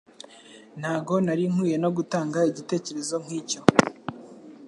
Ntabwo nari nkwiye no gutanga igitekerezo nkicyo.